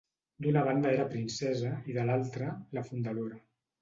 D'una banda era princesa i de l'altra, la fundadora.